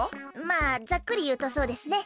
まあざっくりいうとそうですね。